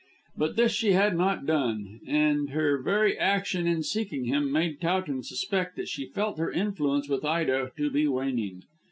But this she had not done, and her very action in seeking him made Towton suspect that she felt her influence with Ida to be waning.